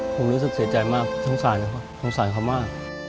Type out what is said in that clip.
ผมรู้สึกเสียใจมากสงสารครับสงสารเขามาก